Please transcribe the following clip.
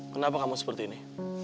kenapa kamu seperti ini